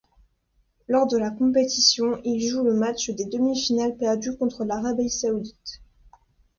Lors de la compétition, il joue le match des demi-finales perdue contre l'Arabie saoudite.